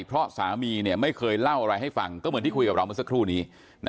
เพราะสามีไม่เคยเล่าอะไรให้ฟังก็เหมือนที่คุยกับเราเมื่อสักครู่นี้